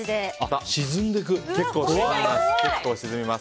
結構、沈みます。